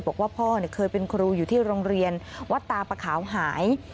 บอกว่าพ่อเคยเป็นครูอยู่ที่โรงเรียนวัดตาปะขาวหาย